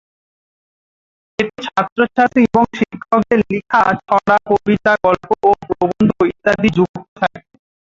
এতে ছাত্র-ছাত্রী এবং শিক্ষকদের লিখা ছড়া, কবিতা, গল্গ ও প্রবন্ধ ইত্যাদি যুক্ত থাকে।